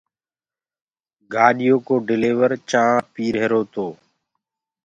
گآڏيو ڪوَ ڊليور چآنه پيٚ هيرو تو